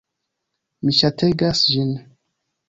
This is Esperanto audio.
Mi ŝategas ĝin!